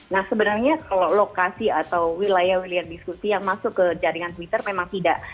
nah sebenarnya kalau lokasi atau wilayah wilayah diskusi yang masuk ke jaringan twitter memang tidak